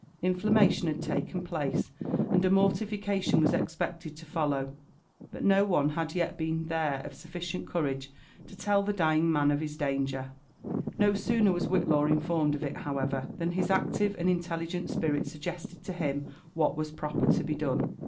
Inflammation had taken place, and a mortification was expected to follow ; but no one had yet been. there of sufficient courage to tell the dying rtian of his danger. No sooner was Whitlaw informed of it, however, than his active and in telligent spirit suggested to him what was proper to be done.